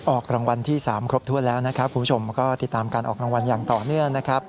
ออกรางวัลที่๓ครบถ้วนแล้วนะครับคุณผู้ชมก็ติดตามการออกรางวัลอย่างต่อเนื่องนะครับ